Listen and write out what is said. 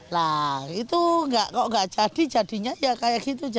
nah itu kok nggak jadi jadinya ya kayak gitu